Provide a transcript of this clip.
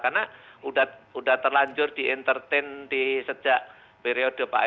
karena sudah terlanjur di entertain di sejak periode pembangunan